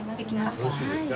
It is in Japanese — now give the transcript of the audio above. よろしいですか？